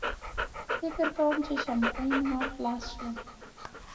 فکر کوم چې شیمپین مو خلاص شول.